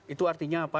itu artinya apa